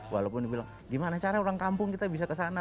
walaupun dibilang gimana cara orang kampung kita bisa kesana